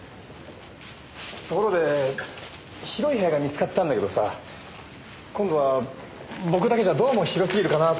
ところで広い部屋が見つかったんだけどさ今度は僕だけじゃどうも広すぎるかなと。